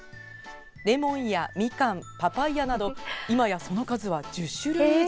レモンやみかんパパイアなど今や、その数は１０種類以上。